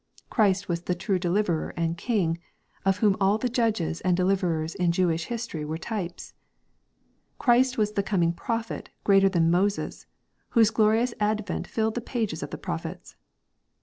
Christ was the true Deliverer and King, of whom all the judges and deliverers in Jewish history were types. Christ was the coming Prophet greater than Moses, whose glorious advent filled the pages of prophets.